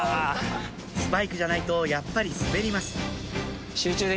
スパイクじゃないとやっぱり滑ります